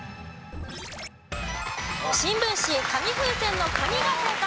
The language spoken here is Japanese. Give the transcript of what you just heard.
新聞紙紙風船の「紙」が正解。